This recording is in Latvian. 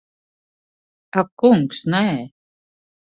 Ak kungs, nē.